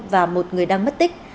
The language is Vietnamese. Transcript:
và một người đang mất tích